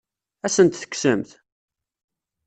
Ad asen-t-tekksemt?